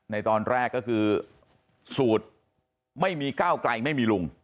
ในตอนแรกก็คือสูตรไม่มีก้าวไกลไม่มีลุง